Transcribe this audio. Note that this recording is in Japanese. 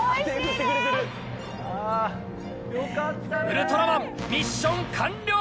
ウルトラマンミッション完了です。